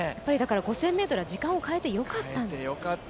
５０００ｍは時間を変えてよかった。